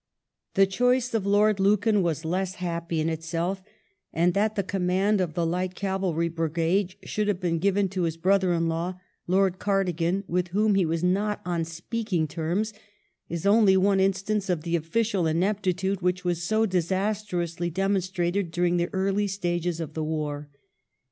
The choice of Lord Lucan was less happy in itself, and that the command of the light cavalry brigade should have been given to his brother in law Lord Cardigan, with whom he was not on speak ing terms, is only one instance of the official ineptitude which was so disastrously demonstrated during the early stages of the war.